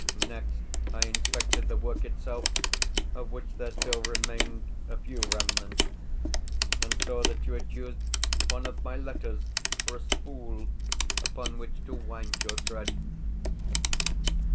Next, I inspected the work itself, of which there still remained a few remnants, and saw that you had used one of my letters for a spool upon which to wind your thread.